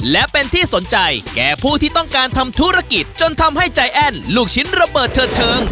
และเป็นที่สนใจแก่ผู้ที่ต้องการทำธุรกิจจนทำให้ใจแอ้นลูกชิ้นระเบิดเถิดเชิง